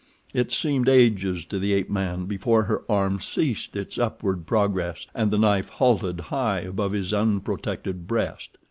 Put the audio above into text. It seemed ages to the ape man before her arm ceased its upward progress and the knife halted high above his unprotected breast.